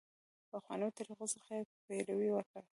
پخوانیو طریقو څخه یې پیروي وکړه.